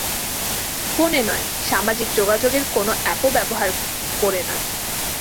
ফোনে নয়, সামাজিক যোগাযোগের কোনো অ্যাপও ব্যবহার করে নয়।